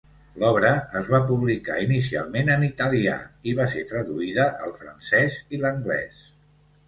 L'obra es va publicar inicialment en italià i va ser traduïda al francès i l'anglès.